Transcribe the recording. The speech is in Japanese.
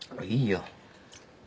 いいよ。